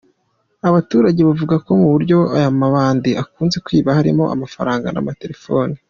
Abaturage bavugako mu byo aya mabandi akunze kwiba harimo amafaranga n’amaterefone.